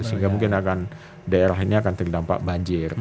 sehingga mungkin akan daerah ini akan terdampak banjir